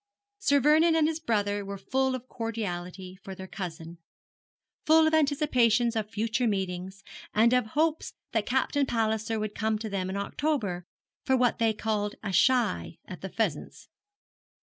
Sir Vernon and his brother were full of cordiality for their cousin, full of anticipations of future meetings, and of hopes that Captain Palliser would come to them in October for what they called a 'shy' at the pheasants.